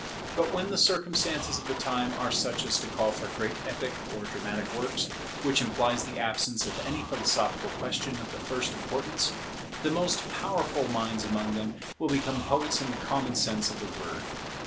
But when the circumstances of the time are such as to call for great epic or dramatic works, which implies the absence of any philosophical question of the first importance, the most powerful minds among them will become poets in the common sense of the word.